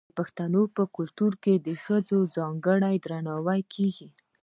د پښتنو په کلتور کې ښځو ته ځانګړی درناوی کیږي.